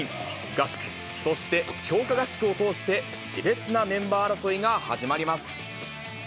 合宿、そして強化合宿を通して、しれつなメンバー争いが始まります。